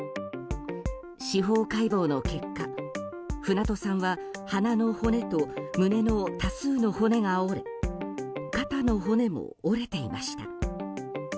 司法解剖の結果船戸さんは、鼻の骨と胸の多数の骨が折れ肩の骨も折れていました。